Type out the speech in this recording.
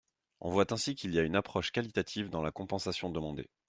On voit ainsi qu’il y a une approche qualitative dans la compensation demandée.